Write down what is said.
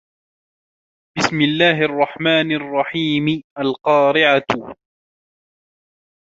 بِسْمِ اللَّهِ الرَّحْمَنِ الرَّحِيمِ الْقَارِعَةُ